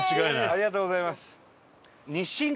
ありがとうございます。